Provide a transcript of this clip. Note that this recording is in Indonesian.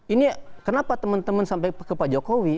ini kenapa temen temen sampai ke pak jokowi